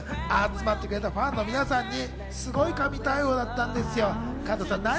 集まってくれたファンの皆さんにすごい神対応だったんですよ。